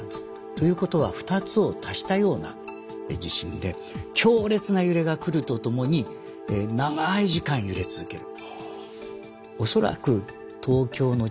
ということは２つを足したような地震で強烈な揺れが来るとともに長い時間揺れ続ける。